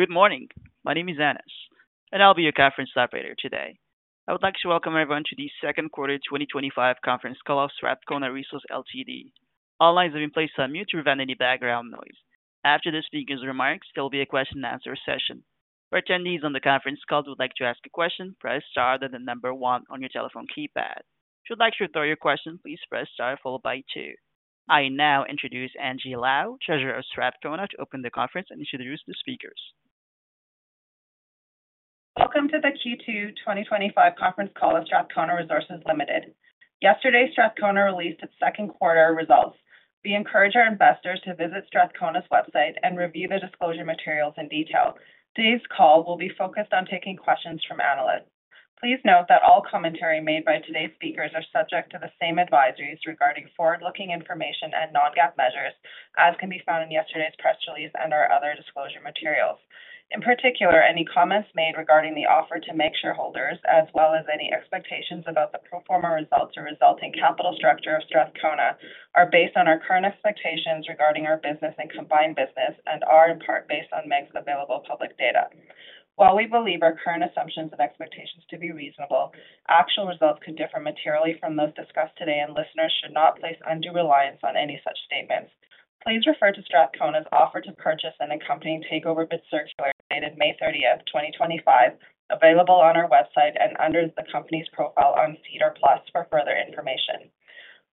Good morning. My name is Anas, and I'll be your conference operator today. I would like to welcome everyone to the Second Quarter 2025 Conference Call of Strathcona Resources Ltd. All lines have been placed on mute to prevent any background noise. After the speaker's remarks, there will be a question and answer session. For attendees on the conference call who would like to ask a question, press star then the number one on your telephone keypad. If you would like to withdraw your question, please press star followed by two. I now introduce Angie Lau, Treasurer of Strathcona, to open the conference and introduce the speakers. Welcome to the Q2 2025 Conference Call of Strathcona Resources Ltd. Yesterday, Strathcona released its second quarter results. We encourage our investors to visit Strathcona's website and review the disclosure materials in detail. Today's call will be focused on taking questions from analysts. Please note that all commentary made by today's speakers is subject to the same advisories regarding forward-looking information and non-GAAP measures, as can be found in yesterday's press release and our other disclosure materials. In particular, any comments made regarding the offer to make shareholders, as well as any expectations about the pro forma results or resulting capital structure of Strathcona, are based on our current expectations regarding our business and combined business and are in part based on MEG's available public data. While we believe our current assumptions and expectations to be reasonable, actual results can differ materially from those discussed today, and listeners should not place undue reliance on any such statements. Please refer to Strathcona's offer to purchase and accompanying takeover documents starting May 30, 2025, available on our website and under the company's profile on SEDAR+ for further information.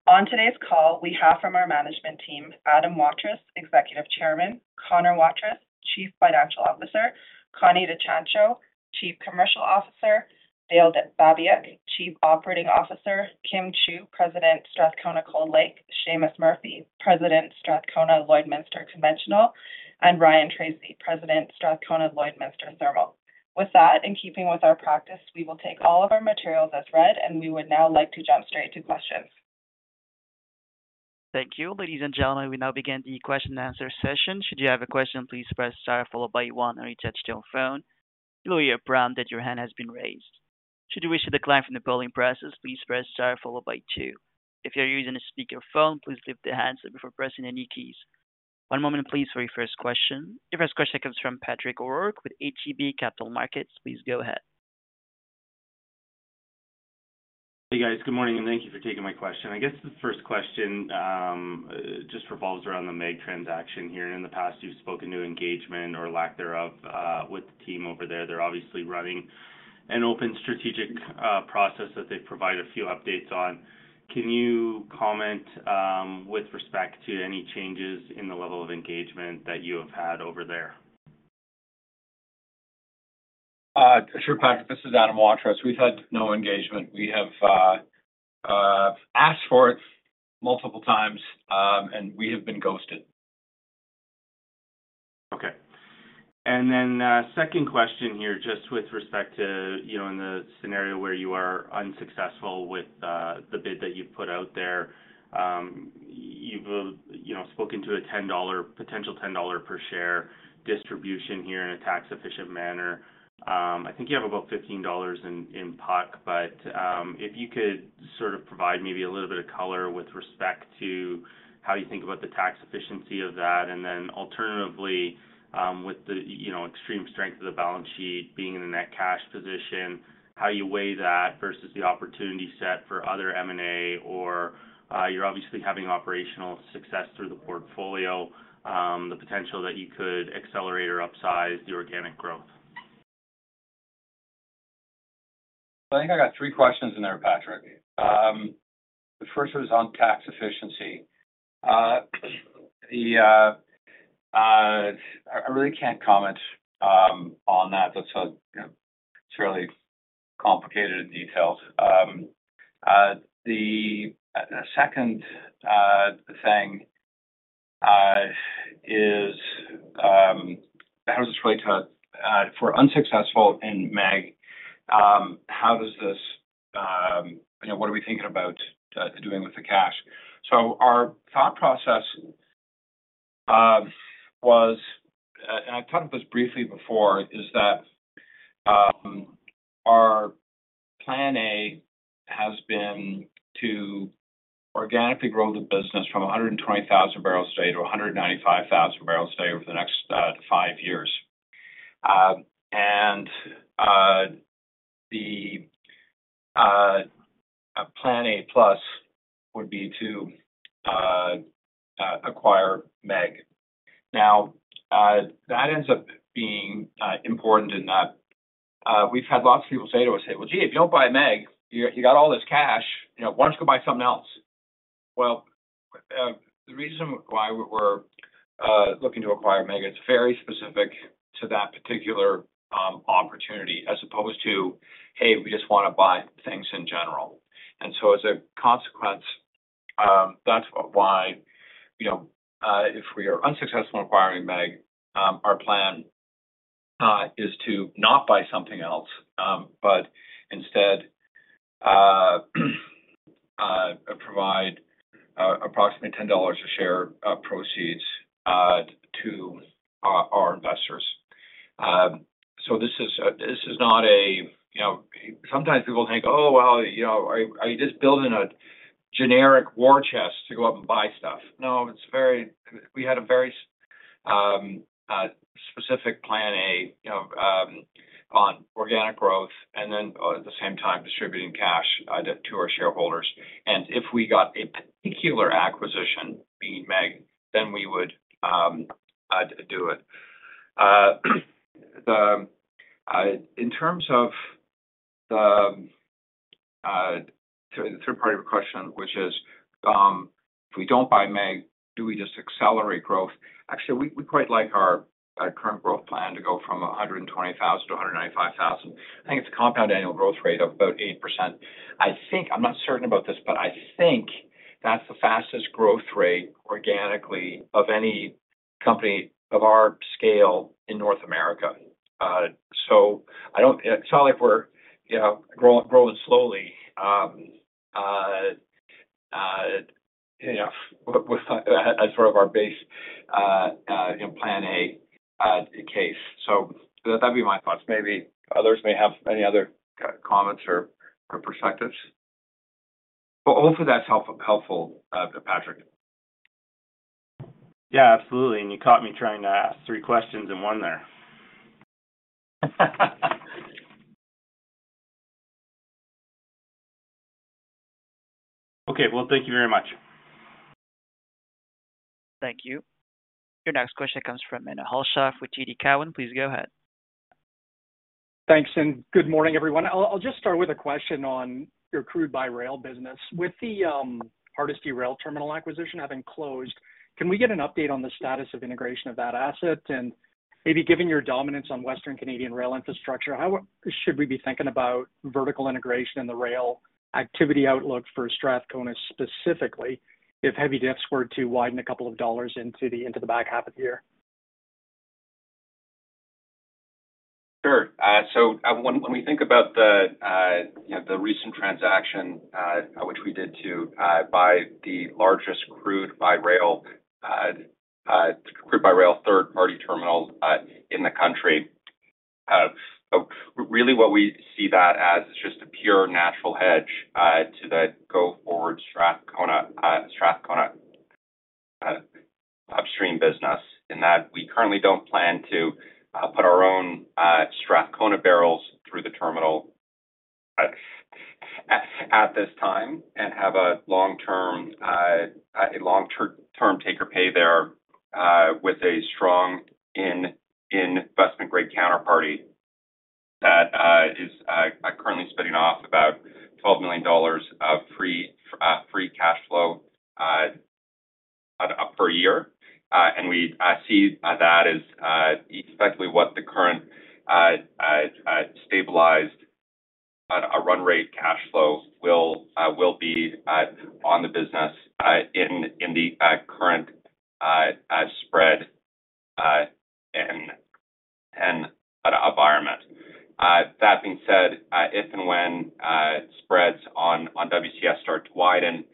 On today's call, we have from our management team: Adam Waterous, Executive Chairman; Connor Waterous, Chief Financial Officer; Connie De Ciancio, Chief Commercial Officer; Dale Babiak, Chief Operating Officer; Kim Chiu, President, Strathcona Cold Lake; Seamus Murphy, President, Strathcona Lloydminster Conventional; and Ryan Tracy, President, Strathcona Lloydminster Thermal. With that, in keeping with our practice, we will take all of our materials as read, and we would now like to jump straight to questions. Thank you. Ladies and gentlemen, we now begin the question-and-answer session. Should you have a question, please press star followed by one on your touch-tone phone. If you are a brown, that your hand has been raised. Should you wish to decline from the polling process, please press star followed by two. If you are using a speaker phone, please lift your hands up before pressing any keys. One moment, please, for your first question. Your first question comes from Patrick O'Rourke with ATB Capital Markets. Please go ahead. Hey guys, good morning and thank you for taking my question. I guess the first question just revolves around the MEG transaction here. In the past, you've spoken to engagement or lack thereof with the team over there. They're obviously running an open strategic process that they've provided a few updates on. Can you comment with respect to any changes in the level of engagement that you have had over there? Sure, this is Adam Waterous. We've had no engagement. We have asked for it multiple times, and we have been ghosted. Okay. Second question here, just with respect to, you know, in the scenario where you are unsuccessful with the bid that you've put out there, you've spoken to a $10 potential per share distribution here in a tax-efficient manner. I think you have about $15 in pot, but if you could sort of provide maybe a little bit of color with respect to how you think about the tax efficiency of that, and then alternatively with the extreme strength of the balance sheet being in a net cash position, how you weigh that versus the opportunity set for other M&A, or you're obviously having operational success through the portfolio, the potential that you could accelerate or upsize the organic growth. I think I got three questions in there, Patrick. The first was on tax efficiency. I really can't comment on that. That's a fairly complicated detail. The second thing is, how does this relate to, if we're unsuccessful in MEG, how does this, what are we thinking about doing with the cash? Our thought process was, and I've talked about this briefly before, is that our plan A has been to organically grow the business from 120,000 B/D to 195,000 B/D over the next five years. The plan A plus would be to acquire MEG. That ends up being important in that we've had lots of people say to us, "Hey, if you don't buy MEG, you got all this cash. Why don't you go buy something else?" The reason why we were looking to acquire MEG is very specific to that particular opportunity as opposed to, "Hey, we just want to buy things in general." As a consequence, if we are unsuccessful in acquiring MEG, our plan is to not buy something else, but instead provide approximately $10 per share of proceeds to our investors. This is not a, sometimes people think, "Oh, are you just building a generic war chest to go out and buy stuff?" No, we had a very specific plan A on organic growth and at the same time distributing cash to our shareholders. If we got a particular acquisition, be MEG, then we would do it. In terms of the third part of your question, which is, if we don't buy MEG, do we just accelerate growth? Actually, we quite like our current growth plan to go from 120,000 B/D to 195,000 B/D. I think it's a compound annual growth rate of about 8%. I'm not certain about this, but I think that's the fastest growth rate organically of any company of our scale in North America. I don't, it's not like we're growing slowly as far as our base plan A case. That'd be my thoughts. Maybe others may have any other comments or perspectives. Hopefully that's helpful, Patrick. Yeah, absolutely. You caught me trying to ask three questions in one there. Okay, thank you very much. Thank you. Your next question comes from Menno Hulshof with TD Cowen. Please go ahead. Thanks, and good morning everyone. I'll just start with a question on your crude-by-rail business. With the Hardisty Rail Terminal acquisition having closed, can we get an update on the status of integration of that asset? Maybe given your dominance on Western Canadian rail infrastructure, how should we be thinking about vertical integration in the rail activity outlook for Strathcona specifically if heavy diffs were to widen a couple of dollars into the back half of the year? Sure. When we think about the recent transaction, which we did to buy the largest crude-by-rail, third-party terminal in the country, what we see that as is just a pure natural hedge to the go-forward Strathcona stream business. We currently don't plan to put our own Strathcona barrels through the terminal at this time and have a long-term take-or-pay there with a strong investment-grade counterparty that is currently spitting off about $12 million of free cash flow per year. We see that as, especially with the current stabilized run rate cash flow, what the business will be in the current spread environment. That being said, if and when spreads on WCS start to widen,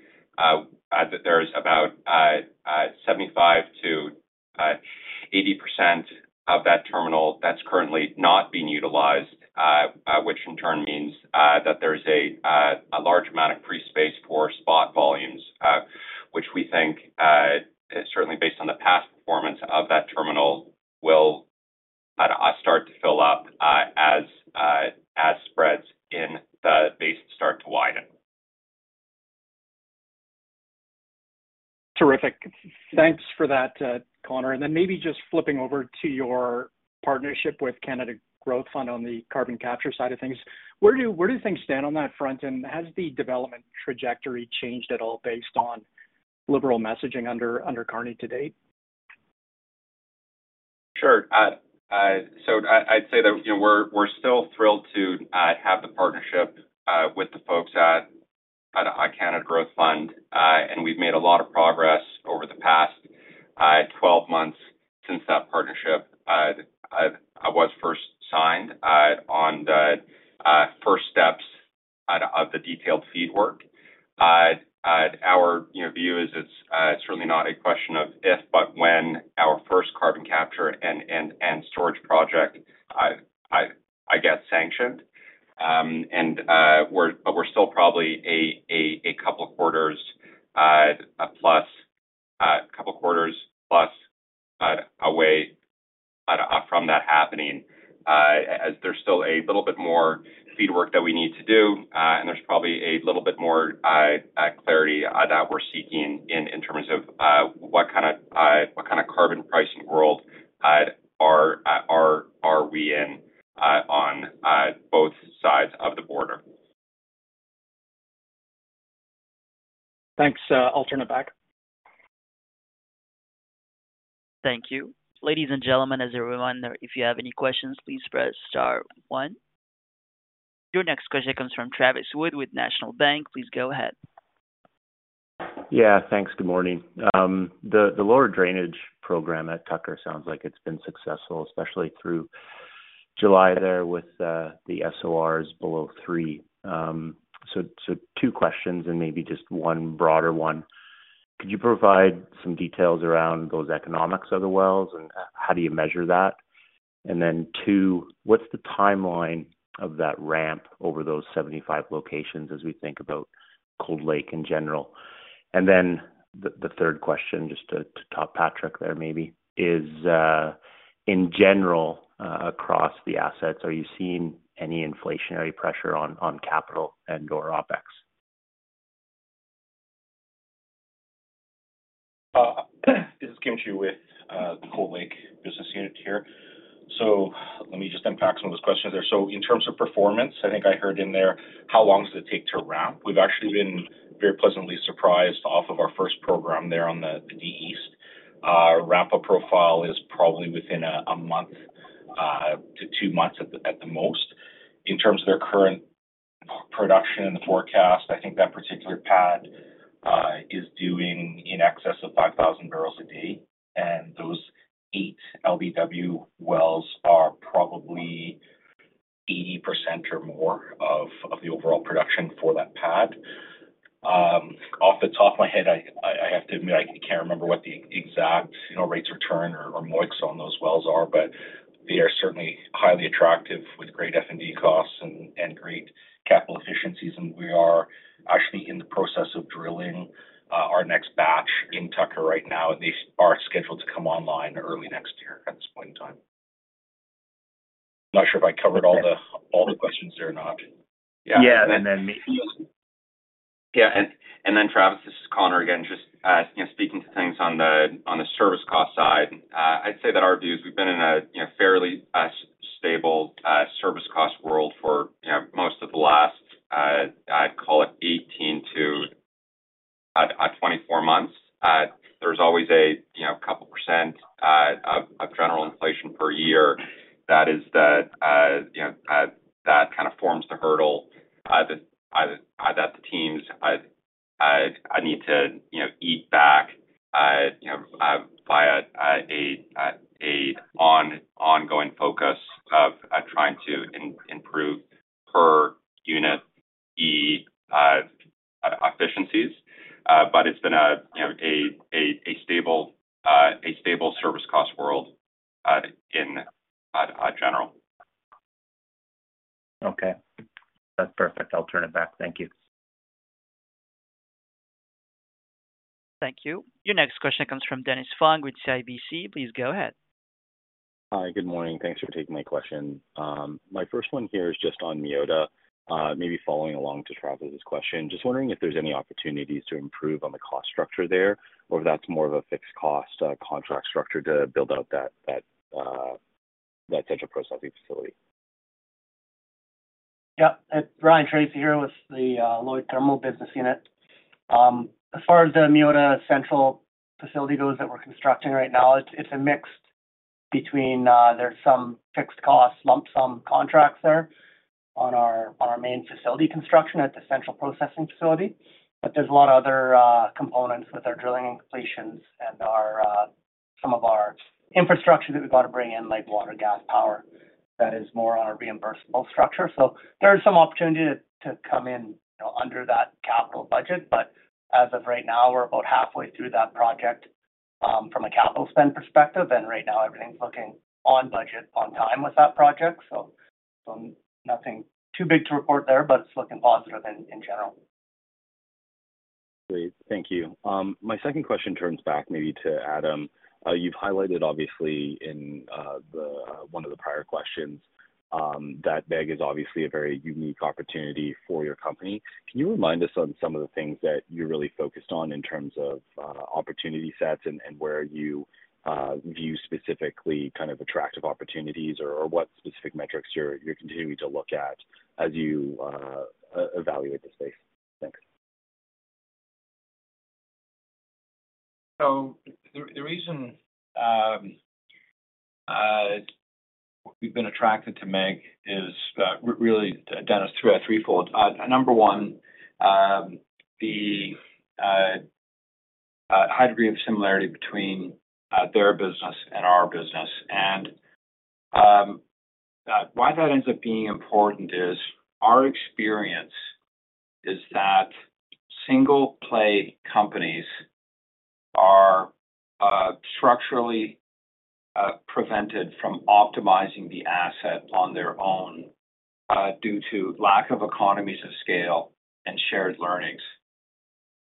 there's about 75%-80% of that terminal that's currently not being utilized, which in turn means that there's a large amount of free space for spot volumes, which we think, certainly based on the past performance of that terminal, will start to fill up as spreads in the base start to widen. Terrific. Thanks for that, Connor. Maybe just flipping over to your partnership with Canada Growth Fund on the carbon capture side of things. Where do things stand on that front? Has the development trajectory changed at all based on liberal messaging under Carney to date? Sure. I'd say that we're still thrilled to have the partnership with the folks at Canada Growth Fund. We've made a lot of progress over the past 12 months since that partnership was first signed on the first steps of the detailed FEED work. Our view is it's really not a question of if, but when our first carbon capture and storage project gets sanctioned. We're still probably a couple of quarters plus away from that happening. There's still a little bit more FEED work that we need to do, and there's probably a little bit more clarity that we're seeking in terms of what kind of carbon pricing world we're in on both sides of the border. Thanks. I'll turn it back. Thank you. Ladies and gentlemen, as a reminder, if you have any questions, please press star one. Your next question comes from Travis Wood with National Bank. Please go ahead. Yeah, thanks. Good morning. The lower drainage program at Tucker sounds like it's been successful, especially through July there with the SORs below 3. Two questions and maybe just one broader one. Could you provide some details around those economics of the wells and how do you measure that? Two, what's the timeline of that ramp over those 75 locations as we think about Cold Lake in general? The third question, just to top Patrick there, maybe, is in general, across the assets, are you seeing any inflationary pressure on capital and/or OpEx? This is Kim Chiu with the Cold Lake business unit here. Let me just unpack some of those questions there. In terms of performance, I think I heard in there, how long does it take to ramp? We've actually been very pleasantly surprised off of our first program there on the D-East. Ramp-up profile is probably within a month to two months at the most. In terms of their current production and forecast, I think that particular pad is doing in excess of 5,000 B/D. Those eight LVW wells are probably 80% or more of the overall production for that pad. Off the top of my head, I have to admit, I can't remember what the exact rates of return or MOICs on those wells are, but they are certainly highly attractive with great F&D costs and great capital efficiencies. We are actually in the process of drilling our next batch in Tucker right now, and they are scheduled to come online early next year at this point in time. I'm not sure if I covered all the questions there or not. Yeah. Travis, this is Connor again, just speaking to things on the service cost side. I'd say that our view is we've been in a fairly stable service cost world for most of the last, I'd call it 18-24 months. There's always a couple percent of general inflation per year that kind of forms the hurdle that the teams need to eat back via an ongoing focus of trying to improve per unit efficiencies, but it's been a stable service cost world in general. Okay. That's perfect. I'll turn it back. Thank you. Thank you. Your next question comes from Dennis Fong with CIBC. Please go ahead. Hi, good morning. Thanks for taking my question. My first one here is just on Meota. Maybe following along to Travis's question. Just wondering if there's any opportunities to improve on the cost structure there, or if that's more of a fixed cost contract structure to build out that central processing facility. Yeah, it's Ryan Tracy here with the Lloydminster Thermal business unit. As far as the Meota central processing facility goes that we're constructing right now, it's a mix between there's some fixed cost lump sum contracts there on our main facility construction at the central processing facility. There's a lot of other components with our drilling and completions and some of our infrastructure that we've got to bring in, like water, gas, power, that is more on our reimbursable structure. There's some opportunity to come in under that capital budget, but as of right now, we're about halfway through that project from a capital spend perspective. Right now, everything's looking on budget, on time with that project. Nothing too big to report there, but it's looking positive in general. Great. Thank you. My second question turns back maybe to Adam. You've highlighted obviously in one of the prior questions that MEG is obviously a very unique opportunity for your company. Can you remind us on some of the things that you're really focused on in terms of opportunity sets and where you view specifically kind of attractive opportunities or what specific metrics you're continuing to look at as you evaluate the space? The reason we've been attracted to MEG is really, Dennis, threefold. Number one, the high degree of similarity between their business and our business. Why that ends up being important is our experience is that single-play companies are structurally prevented from optimizing the asset on their own due to lack of economies of scale and shared learnings.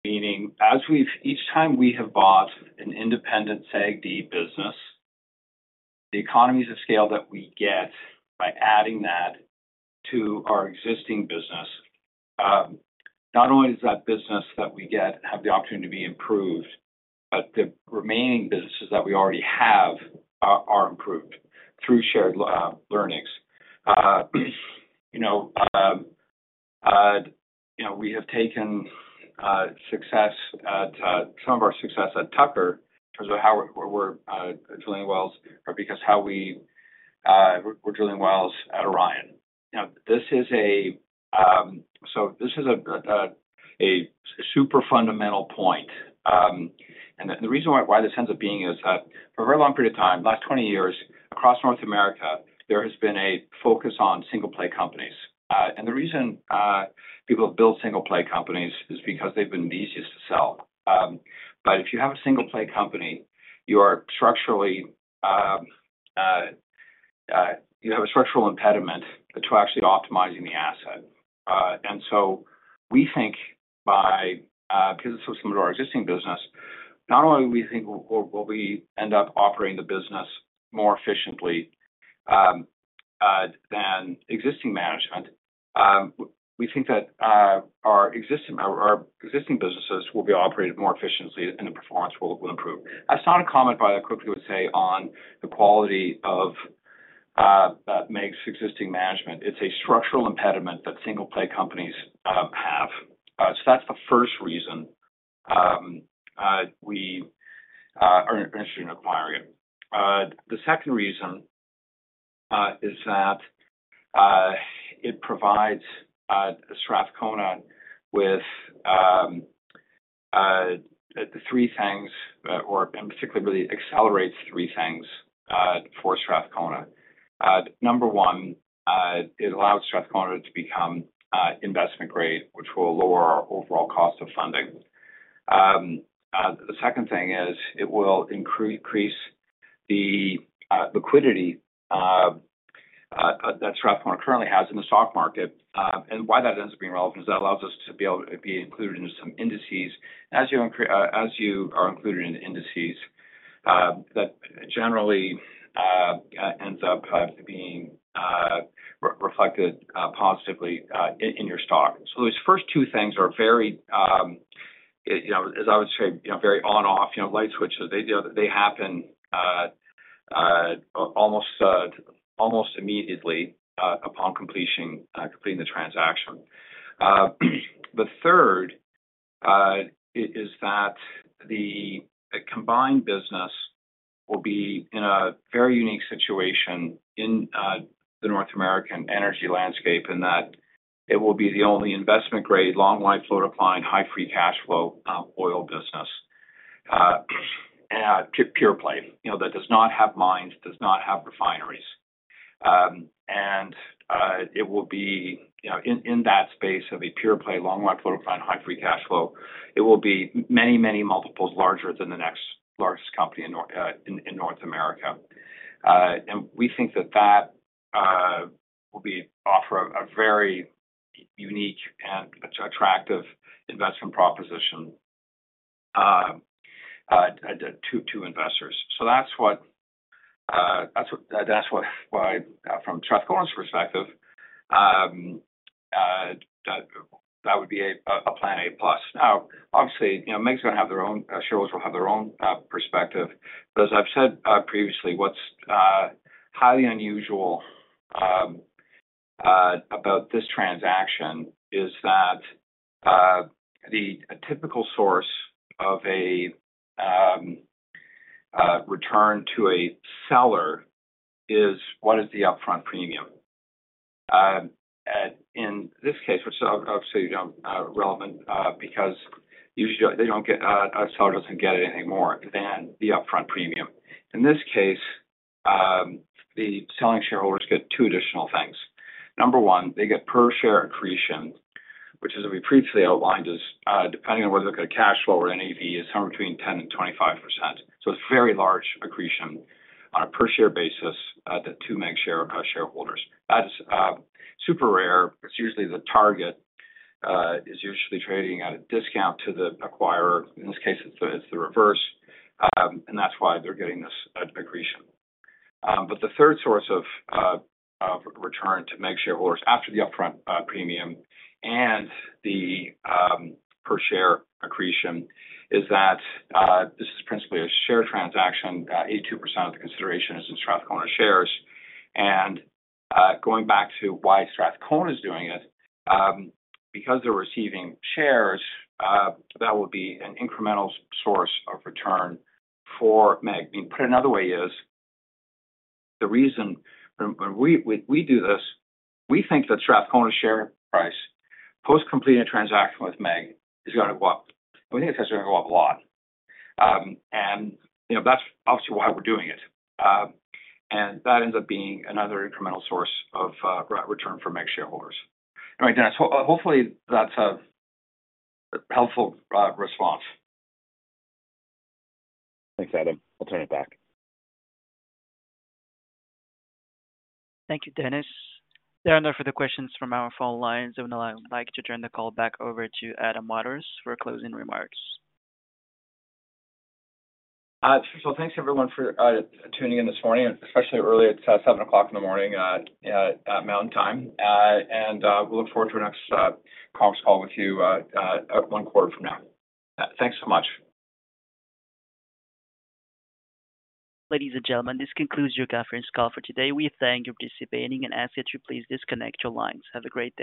Meaning, each time we have bought an independent SAGD business, the economies of scale that we get by adding that to our existing business, not only is that business that we get have the opportunity to be improved, but the remaining businesses that we already have are improved through shared learnings. We have taken some of our success at Tucker in terms of how we're drilling wells or how we're drilling wells at Orion. This is a super fundamental point. The reason why this ends up being is that for a very long period of time, the last 20 years across North America, there has been a focus on single-play companies. The reason people have built single-play companies is because they've been the easiest to sell. If you have a single-play company, you have a structural impediment to actually optimizing the asset. We think because it's so similar to our existing business, not only do we think we'll end up operating the business more efficiently than existing management, we think that our existing businesses will be operated more efficiently and the performance will improve. That's not a comment, by the way, I quickly would say, on the quality of MEG's existing management. It's a structural impediment that single-play companies have. That's the first reason we are interested in acquiring. The second reason is that it provides Strathcona with three things, or in particular, really accelerates three things for Strathcona. Number one, it allows Strathcona to become investment-grade, which will lower our overall cost of funding. The second thing is it will increase the liquidity that Strathcona currently has in the stock market. Why that ends up being relevant is that allows us to be able to be included in some indices. As you are included in indices, that generally ends up being reflected positively in your stock. Those first two things are very, as I would say, very on-off, light switches. They happen almost immediately upon completing the transaction. The third is that the combined business will be in a very unique situation in the North American energy landscape in that it will be the only investment-grade, long-lived, floor-deployed, high-free cash flow oil business, pure play, you know, that does not have mines, does not have refineries. It will be, you know, in that space of a pure play, long-lived, floor-deployed, high-free cash flow, it will be many, many multiples larger than the next largest company in North America. We think that that will offer a very unique and attractive investment proposition to investors. That's what from Strathcona's perspective, that would be a plan A plus. Now, obviously, MEG's going to have their own, shareholders will have their own perspective. As I've said previously, what's highly unusual about this transaction is that the typical source of a return to a seller is what is the upfront premium. In this case, which is obviously relevant because usually a seller doesn't get anything more than the upfront premium. In this case, the selling shareholders get two additional things. Number one, they get per-share accretion, which is what we previously outlined as depending on whether they've got a cash flow or NAV, is somewhere between 10% and 25%. It's very large accretion on a per-share basis to MEG shareholders. That is super rare. Usually the target is trading at a discount to the acquirer. In this case, it's the reverse. That's why they're getting this accretion. The third source of return to MEG shareholders after the upfront premium and the per-share accretion is that this is principally a share transaction. 82% of the consideration is in Strathcona shares. Going back to why Strathcona is doing it, because they're receiving shares, that will be an incremental source of return for MEG. Put another way, the reason when we do this, we think that Strathcona's share price post-completing a transaction with MEG is going to go up. We think it's actually going to go up a lot. That's obviously why we're doing it. That ends up being another incremental source of return for MEG shareholders. All right, Dennis, hopefully that's a helpful response. Thanks, Adam. I'll turn it back. Thank you, Dennis. There are no further questions from our phone lines, I would like to turn the call back over to Adam Waterous for closing remarks. Sure. Thanks everyone for tuning in this morning, especially early at 7:00 A.M. Mountain Time. We'll look forward to our next conference call with you one quarter from now. Thanks so much. Ladies and gentlemen, this concludes your conference call for today. We thank you for participating and ask that you please disconnect your lines. Have a great day.